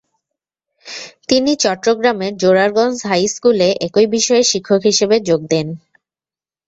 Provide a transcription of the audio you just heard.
তিনি চট্টগ্রামের জোরারগঞ্জ হাই স্কুলে একই বিষয়ের শিক্ষক হিসেবে যোগ দেন।